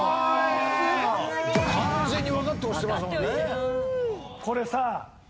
完全にわかって押してますもんね。